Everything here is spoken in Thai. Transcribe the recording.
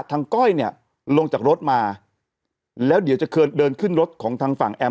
ก้อยเนี่ยลงจากรถมาแล้วเดี๋ยวจะเดินขึ้นรถของทางฝั่งแอม